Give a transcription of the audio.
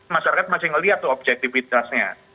masyarakat masih ngelihat tuh objektifitasnya